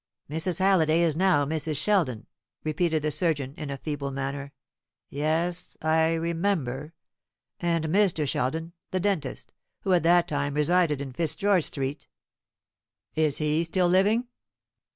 "Mrs. Halliday is now Mrs. Sheldon," repeated the surgeon, in a feeble manner. "Yes, I remember; and Mr. Sheldon the dentist, who at that time resided in Fitzgeorge Street is he still living?"